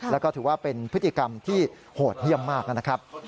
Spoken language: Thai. แล้วก็ถือว่าเป็นพฤติกรรมที่โหดเยี่ยมมากนะครับ